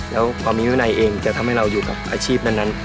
แล้วพอมีวินัยเองจะทำให้เราอยู่กับอาชีพนั้น